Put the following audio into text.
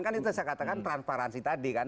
kan itu saya katakan transparansi tadi kan